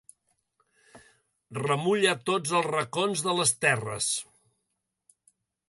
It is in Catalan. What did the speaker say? Remulla tots els racons de les terres.